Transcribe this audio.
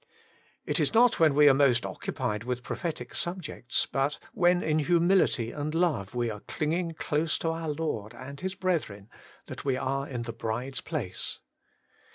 It is not when we are most occupied with prophetic subjects, but when in humility and love we are clinging close to our Lord and His brethren, that we are in the bride's place.